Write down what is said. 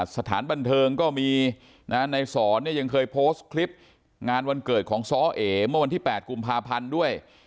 สถานบันเทิงก็มีนะในสอนเนี่ยยังเคยโพสต์คลิปงานวันเกิดของซ้อเอเมื่อวันที่๘กุมภาพันธ์ด้วย